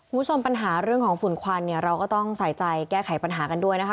คุณผู้ชมปัญหาเรื่องของฝุ่นควันเนี่ยเราก็ต้องใส่ใจแก้ไขปัญหากันด้วยนะคะ